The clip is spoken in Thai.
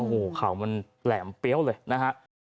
โอ้โหเข่ามันแหลมเปรี้ยวเลยนะฮะ